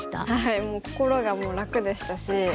もう心が楽でしたし。